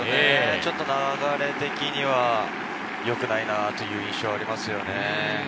ちょっと流れ的には良くないなという印象がありますね。